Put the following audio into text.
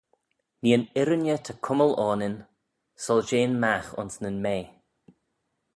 Nee yn irriney ta cummal aynin solshean magh ayns nyn mea.